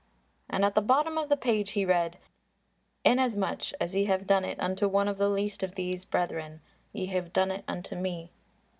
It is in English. And at the bottom of the page he read, "Inasmuch as ye have done it unto one of the least of these brethren, ye have done it unto me."